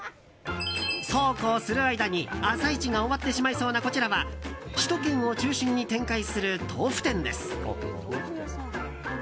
そうこうする間に朝市が終わってしまいそうなこちらは首都圏を中心に展開する豆腐店です。